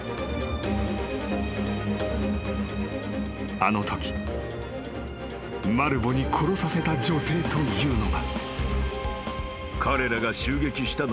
［あのときマルヴォに殺させた女性というのが］